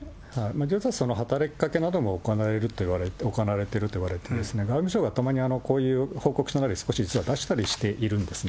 その働きかけなども行われているといわれて、外務省がたまにこういう報告書の中で、少し実は出したりしているんですね。